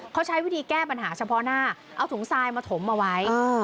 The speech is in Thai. เขาใช้วิธีแก้ปัญหาเฉพาะหน้าเอาถุงทรายมาถมเอาไว้